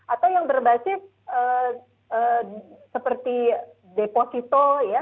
atau yang berbasis seperti deposito ya